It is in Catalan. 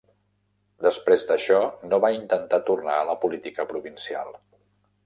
Després d'això no va intentar tornar a la política provincial.